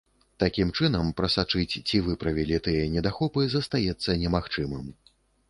Такім чынам, прасачыць, ці выправілі тыя недахопы, застаецца немагчымым.